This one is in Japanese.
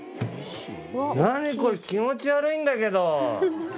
何これ気持ち悪いんだけど。